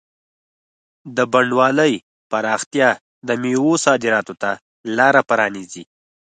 د بڼوالۍ پراختیا د مېوو صادراتو ته لاره پرانیزي.